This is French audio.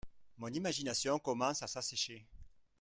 Mon imagination commence à s'assécher